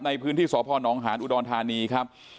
ในพื้นที่สพน้องฮานอุดทาริครับ